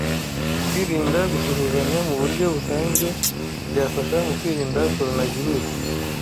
Kwirinda gusuhuzanya muburyo busanzwe byafasha mu kwirinda coronavirusi